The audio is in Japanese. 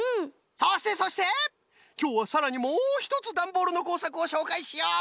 そしてそしてきょうはさらにもうひとつダンボールのこうさくをしょうかいしよう。